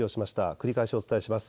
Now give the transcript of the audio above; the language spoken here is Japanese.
繰り返しお伝えします。